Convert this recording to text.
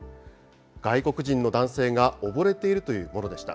外国人の男性が溺れているというものでした。